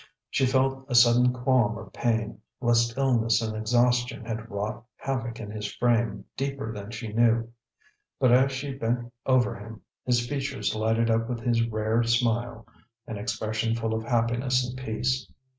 She felt a sudden qualm of pain, lest illness and exhaustion had wrought havoc in his frame deeper than she knew. But as she bent over him, his features lighted up with his rare smile an expression full of happiness and peace.